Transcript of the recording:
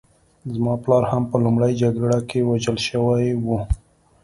زما پلار هم په لومړۍ جګړه کې وژل شوی و